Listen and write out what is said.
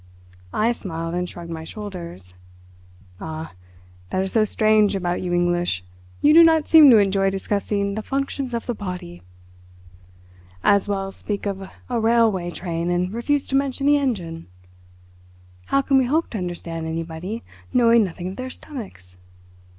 I smiled and shrugged my shoulders. "Ah, that is so strange about you English. You do not seem to enjoy discussing the functions of the body. As well speak of a railway train and refuse to mention the engine. How can we hope to understand anybody, knowing nothing of their stomachs?